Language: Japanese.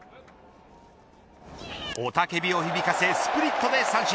雄たけびを響かせスプリットで三振。